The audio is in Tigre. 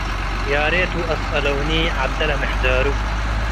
ያሬት ወአስአለውኒ ዐደ ለምሕዳሩ